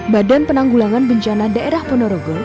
badan penanggulangan bencana daerah ponorogo